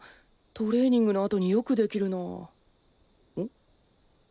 トレーニングのあとによくできるなん？